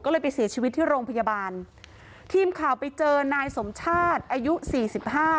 ก็เลยไปเสียชีวิตที่โรงพยาบาลทีมข่าวไปเจอนายสมชาติอายุสี่สิบห้า